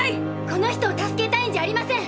この人を助けたいんじゃありません。